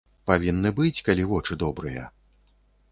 Павінны бачыць, калі вочы добрыя.